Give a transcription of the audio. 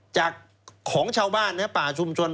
จากของชาวบ้านป่าชุมชน